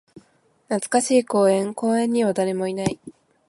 懐かしい公園。公園には誰もいない。